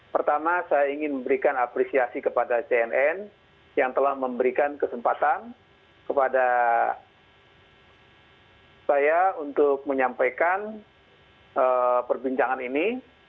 pertama saya ingin memberikan apresiasi kepada cnn yang telah memberikan kesempatan kepada saya untuk menyampaikan perbincangan ini